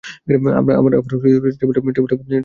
আমার টেবিলটা বোধ হচ্ছে থাকবে না।